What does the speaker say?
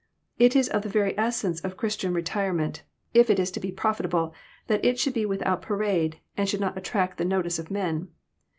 It is of the very essence of Christian retirement, if it is to be profitable, that it should be without parade, and should not attract the notice of men.